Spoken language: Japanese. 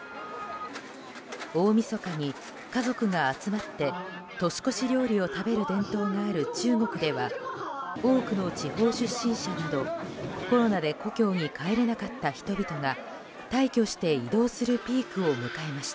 大みそかに家族が集まって年越し料理を食べる伝統がある中国では、多くの地方出身者などコロナで故郷に帰れなかった人々が大挙して移動するピークを迎えました。